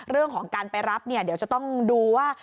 เรื่องของการไปรับเนี่ยเดี๋ยวจะต้องดูว่า